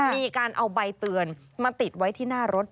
มีการเอาใบเตือนมาติดไว้ที่หน้ารถ